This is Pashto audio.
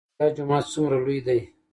عیدګاه جومات څومره لوی دی؟